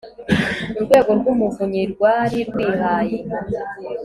Urwego rw Umuvunyi rwari rwihaye